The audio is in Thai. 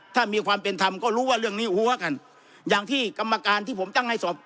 ถ้ามีความเป็นธรรมก็รู้ว่าเรื่องนี้หัวกันอย่างที่กรรมการที่ผมตั้งให้สอบ